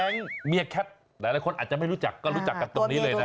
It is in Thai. เมียแคทหลายคนอาจจะไม่รู้จักก็รู้จักกันตรงนี้เลยนะ